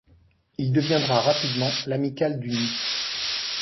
Il deviendra rapidement l'amicale du Nid.